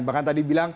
bahkan tadi bilang